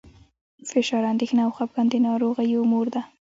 فشار، اندېښنه او خپګان د ناروغیو مور ده.